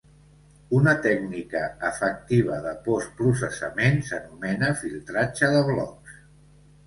Una tècnica efectiva de postprocessament s'anomena filtratge de blocs.